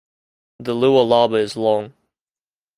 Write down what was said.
The Lualaba is long.